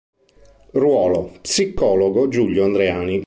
Ruolo: psicologo Giulio Andreani.